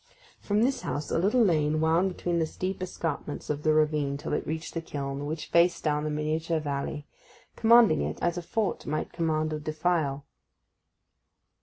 From this house a little lane wound between the steep escarpments of the ravine till it reached the kiln, which faced down the miniature valley, commanding it as a fort might command a defile.